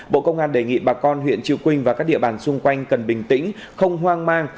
bộ công an đề nghị bà con huyện trư quynh và các địa bàn xung quanh cần bình tĩnh không hoang mang